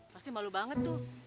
pasti malu banget tuh